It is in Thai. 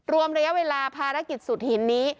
รวมระยะเวลาภารกิจสุดหินนี้